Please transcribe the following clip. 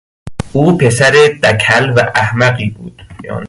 او پسر دکل و احمقی بود.